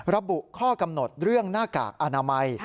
ระบุข้อกำหนดเรื่องหน้ากากอนามัย